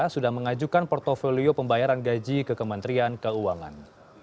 sudah mengajukan portfolio pembayaran gaji ke kementerian keuangan